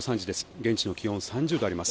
現地の気温、３０度あります。